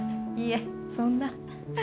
いえそんな。